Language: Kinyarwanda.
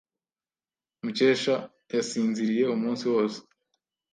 Mukesha yasinziriye umunsi wose.